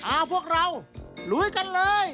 อ้าวพวกเรารุ้ยกันเลย